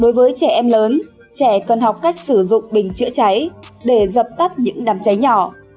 đối với trẻ em lớn trẻ cần học cách sử dụng bình chữa cháy để dập tắt những đám cháy nhỏ